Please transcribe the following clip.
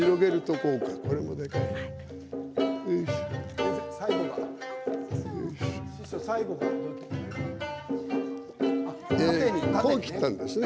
こう切ったんですね。